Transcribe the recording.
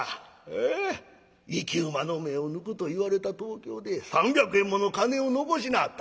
生き馬の目を抜くといわれた東京で３００円もの金を残しなはった。